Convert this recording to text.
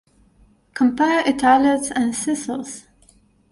Compare Italiotes and Sicels.